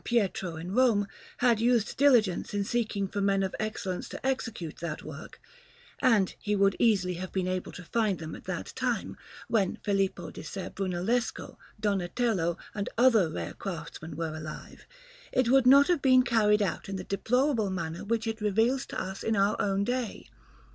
Pietro in Rome, had used diligence in seeking for men of excellence to execute that work (and he would easily have been able to find them at that time, when Filippo di Ser Brunellesco, Donatello, and other rare craftsmen were alive), it would not have been carried out in the deplorable manner which it reveals to us in our own day.